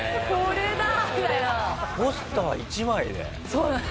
ポスター１枚で？